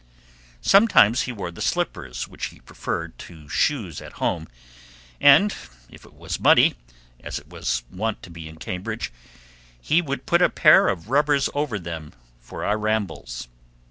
Sometimes he wore the slippers which he preferred to shoes at home, and if it was muddy, as it was wont to be in Cambridge, he would put a pair of rubbers over them for our rambles.